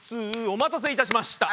お待たせいたしました。